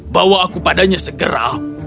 bawa aku padanya segera